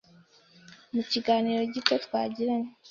mu kiganira gito twagiranye.